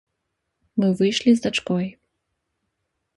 Мы выйшлі з дачкой.